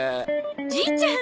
じいちゃん！